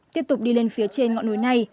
tiếp tục đi lên phía trên ngọn núi này